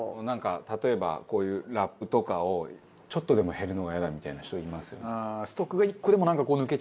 なんか例えばこういうラップとかをちょっとでも減るのがイヤだみたいな人いますよね。